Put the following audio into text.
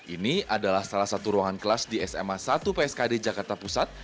ini adalah salah satu ruangan kelas di sma satu pskd jakarta pusat